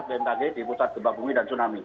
di kantor pusat bntg di pusat gempa bumi dan tsunami